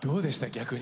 逆に。